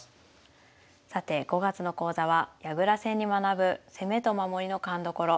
さて５月の講座は「矢倉戦に学ぶ攻めと守りの勘どころ」。